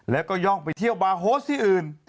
แล้วก็ย่องไปเที่ยวบาร์โฮสที่อื่น